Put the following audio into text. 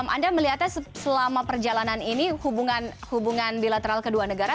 anda melihatnya selama perjalanan ini hubungan bilateral kedua negara